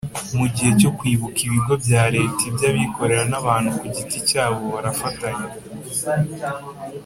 Mu gihe cyo kwibuka ibigo bya Leta iby abikorera n abantu ku giti cyabo barafatanya